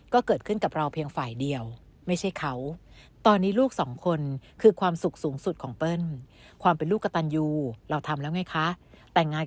ก็เกิดขึ้นกับเราเพียงฝ่ายเดียวไม่ใช่เขา